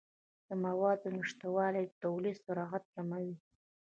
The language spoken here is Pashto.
د موادو نشتوالی د تولید سرعت کموي.